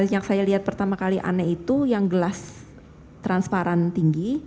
yang saya lihat pertama kali aneh itu yang gelas transparan tinggi